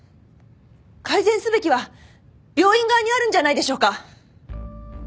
改善すべきは病院側にあるんじゃないでしょうか？